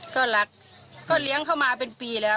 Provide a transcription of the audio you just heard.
ก็รักเขามาเป็นปีแล้ว